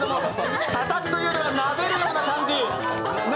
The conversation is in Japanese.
たたくというよりは、なでるような感じ。